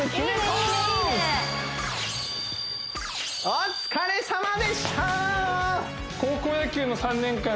お疲れさまでした！